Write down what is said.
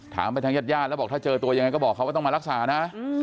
ไปทางญาติญาติแล้วบอกถ้าเจอตัวยังไงก็บอกเขาว่าต้องมารักษานะ